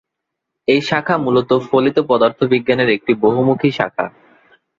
এই শাখা মূলত ফলিত পদার্থবিজ্ঞানের একটি বহুমুখী শাখা।